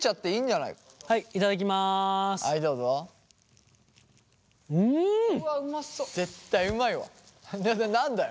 な何だよ。